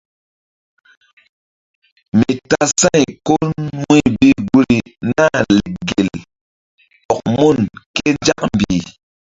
Mi tasa̧y ko wu̧y bi guri Nah lek gel ɔk mun ké nzak mbih.